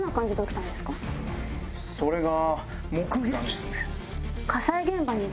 それが。